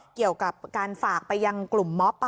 เกี่ยวกับการฝากไปยังกลุ่มมอบ